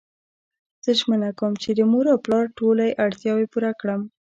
زه ژمنه کوم چی د مور او پلار ټولی اړتیاوی پوره کړم